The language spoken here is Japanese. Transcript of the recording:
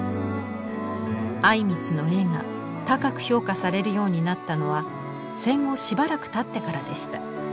靉光の絵が高く評価されるようになったのは戦後しばらくたってからでした。